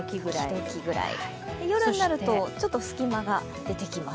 夜になると、ちょっと隙間が出てきます。